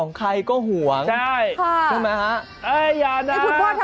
ไม่เอาหรอก